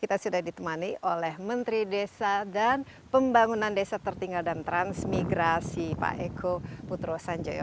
kita sudah ditemani oleh menteri desa dan pembangunan desa tertinggal dan transmigrasi pak eko putro sanjoyo